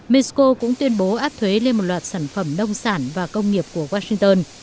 mexico cũng tuyên bố áp thuế lên một loạt sản phẩm nông sản và công nghiệp của washington